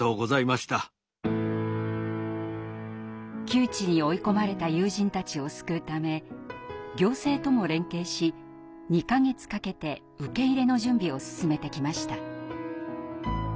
窮地に追い込まれた友人たちを救うため行政とも連携し２か月かけて受け入れの準備を進めてきました。